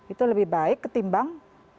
itu lebih baik ketimbang